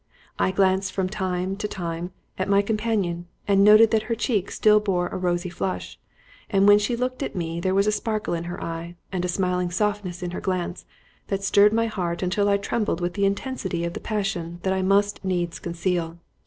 I glanced from time to time at my companion, and noted that her cheek still bore a rosy flush, and when she looked at me there was a sparkle in her eye, and a smiling softness in her glance, that stirred my heart until I trembled with the intensity of the passion that I must needs conceal.